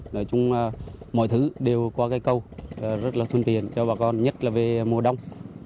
nói chung là mọi thứ đều qua cái cầu rất là thuận tiện cho bà con nhất là về mùa đông